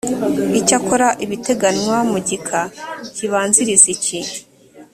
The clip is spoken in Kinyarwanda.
icyakora ibiteganywa mu gika kibanziriza iki